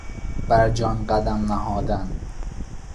بر جان قدم نهادن